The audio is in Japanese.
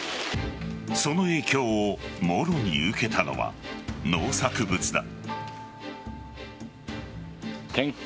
その影響をもろに受けたのは農作物だ。